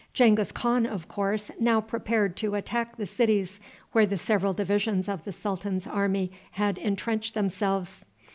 Genghis Khan, of course, now prepared to attack the cities where the several divisions of the sultan's army had intrenched themselves.